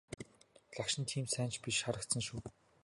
Лагшин нь тийм ч сайн биш харагдсан шүү.